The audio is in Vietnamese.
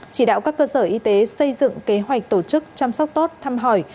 chỉ đạo các cơ sở y tế xây dựng kế hoạch tổ chức chăm sóc tốt thăm hỏi